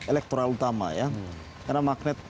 elektoral utama ya karena magnet